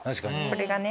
これがね。